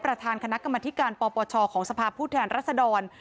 ประธานคณะกรรมธิการปปชของสภาพผู้แทนรัศดร